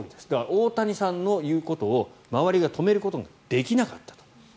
大谷さんの言うことを周りが止めることができなかったと。